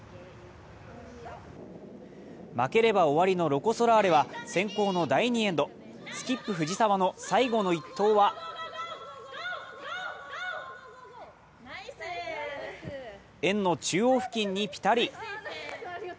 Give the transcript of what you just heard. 負ければ終わりのロコ・ソラーレは先攻の第２エンド、スキップ・藤澤の最後の一投は円の中央付近にピタリ。